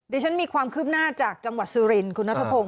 ดิฉันมีความคืบหน้าจากจังหวัดสุรินคุณนัทพงศ